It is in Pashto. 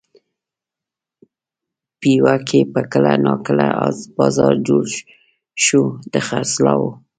پېوه کې به کله ناکله بازار جوړ شو د خرڅلاو.